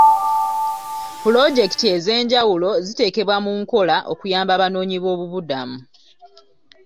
Puloojekiti ez'enjawulo ziteekebwa mu nkola okuyamba Abanoonyi b'obubudamu.